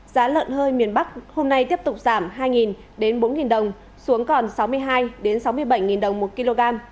giá lợn hơi miền bắc hôm nay tiếp tục giảm hai bốn đồng xuống còn sáu mươi hai sáu mươi bảy đồng một kg